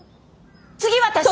次私！